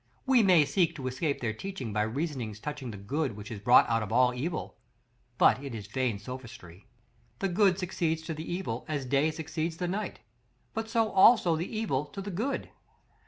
We may seek to escape their teaching by reasonings touching the good which is wrought out of all evil; but it is vain sophistry. The good succeeds to the evil as day succeeds the night, but so also the evil to the good.